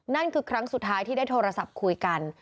นั่นคือครั้งสุดท้ายที่ได้โทรศัพท์คุยกัน